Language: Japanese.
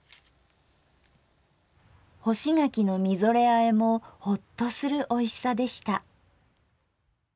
「干し柿のみぞれあえ」もホッとするおいしさでした。